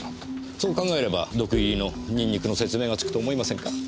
そう考えれば毒入りのニンニクの説明がつくと思いませんか？